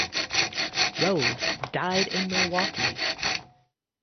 Rose died in Milwaukee.